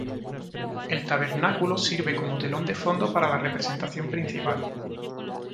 El tabernáculo sirve como telón de fondo para la representación principal.